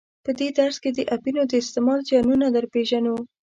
په دې درس کې د اپینو د استعمال زیانونه در پیژنو.